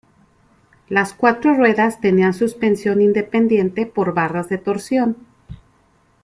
Las cuatro ruedas tenían suspensión independiente por barras de torsión.